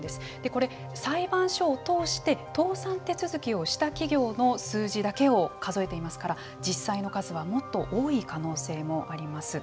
これ、裁判所を通して倒産手続きをした企業の数字だけを数えていますから実際の数はもっと多い可能性もあります。